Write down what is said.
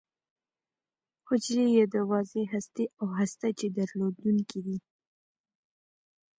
حجرې یې د واضح هستې او هسته چي درلودونکې دي.